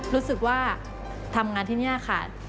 รู้สึกว่าทำงานที่นี่ค่ะ